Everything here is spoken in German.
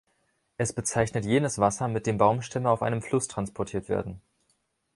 Es bezeichnet jenes Wasser, mit dem Baumstämme auf einem Fluss transportiert werden.